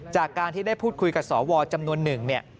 จากการที่ได้พูดคุยกับสวจำนวนหนึ่งเนี่ย